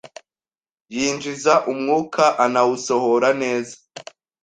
yinjiza umwuka anawusohora neza